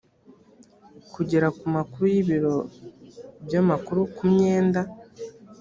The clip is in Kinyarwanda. kugera ku makuru y ibiro by amakuru ku myenda